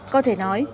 có thể nói